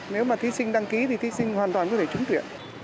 nếu mà thí sinh đăng ký thì thí sinh hoàn toàn có thể trúng tuyển